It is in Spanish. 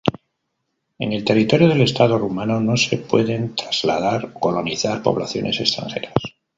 En el territorio del Estado rumano no se pueden trasladar o colonizar poblaciones extranjeras.